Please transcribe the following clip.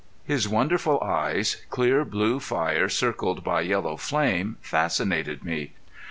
His wonderful eyes, clear blue fire circled by yellow flame, fascinated me.